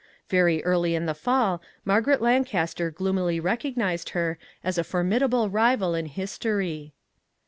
Very early in the fall Margaret Lancaster gloomily recog nized her as a formidable rival in history.